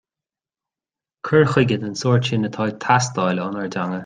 Cur chuige den sort sin atá ag teastáil ónar dteanga.